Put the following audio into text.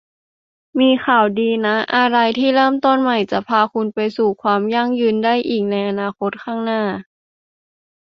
มีข่าวดีนะ อะไรที่เริ่มต้นใหม่จะพาคุณไปสู่ความยั่งยืนได้อีกในอนาคตข้างหน้า